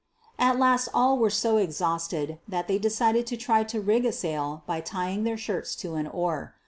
9 At last all were so exhausted that they decided to try to rig a sail by tying their shirts to an oar.